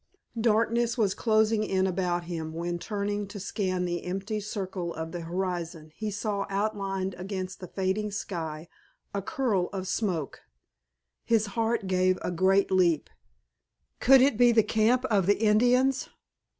Darkness was closing in about him when turning to scan the empty circle of the horizon he saw outlined against the fading sky a curl of smoke. His heart gave a great leap. Could it be the camp of the Indians?